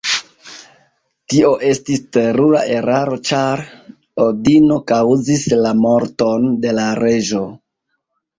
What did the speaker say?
Tio estis terura eraro ĉar Odino kaŭzis la morton de la reĝo.